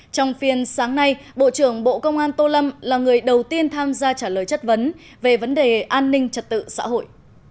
trong phiên sáng nay bộ trưởng bộ công an tô lâm là người đầu tiên tham gia trả lời chất vấn về vấn đề an ninh trật tự xã hội